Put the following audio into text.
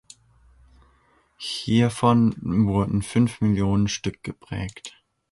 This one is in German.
Hiervon wurden fünf Millionen Stück geprägt.